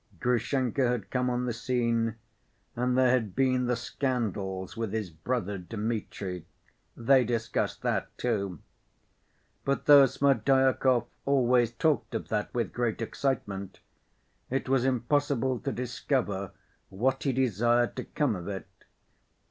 Grushenka had come on the scene, and there had been the scandals with his brother Dmitri—they discussed that, too. But though Smerdyakov always talked of that with great excitement, it was impossible to discover what he desired to come of it.